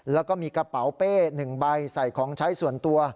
แล้วก็มีกระเป๋าเป้๑ใบใส่ของใช้ส่วนตัว